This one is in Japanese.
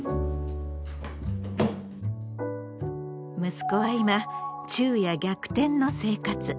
息子は今昼夜逆転の生活。